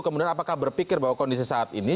kemudian apakah berpikir bahwa kondisi saat ini